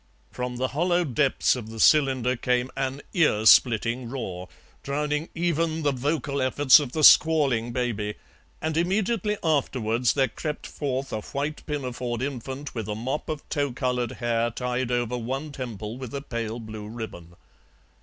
From the hollow depths of the cylinder came an earsplitting roar, drowning even the vocal efforts of the squalling baby, and immediately afterwards there crept forth a white pinafored infant with a mop of tow coloured hair tied over one temple with a pale blue ribbon.